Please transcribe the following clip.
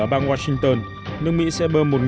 ở bang washington nước mỹ sẽ bơm